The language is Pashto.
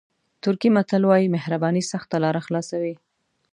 ترکي متل وایي مهرباني سخته لاره خلاصوي.